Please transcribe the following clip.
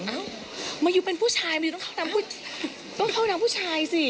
เมมายูเป็นผู้ชายไม่ได้ต้องเข้าห้องน้ำผู้ชายสิ